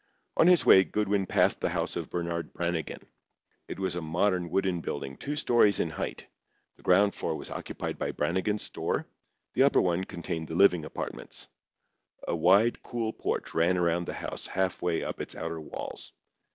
On his way Goodwin passed the house of Bernard Brannigan. It was a modern wooden building, two stories in height. The ground floor was occupied by Brannigan's store, the upper one contained the living apartments. A wide cool porch ran around the house half way up its outer walls.